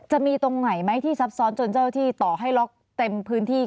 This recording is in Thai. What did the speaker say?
ตรงไหนไหมที่ซับซ้อนจนเจ้าที่ต่อให้ล็อกเต็มพื้นที่